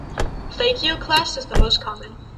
Plagioclase is the most common.